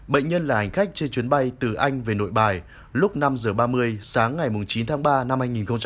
bệnh nhân là hành khách trên chuyến bay từ anh về nội bài lúc năm h ba mươi sáng ngày chín tháng ba năm hai nghìn hai mươi